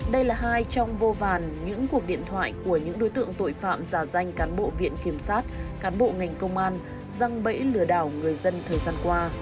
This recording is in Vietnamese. đây là hai trong vô vàn những cuộc điện thoại của những đối tượng tội phạm giả danh cán bộ viện kiểm sát cán bộ ngành công an răng bẫy lừa đảo người dân thời gian qua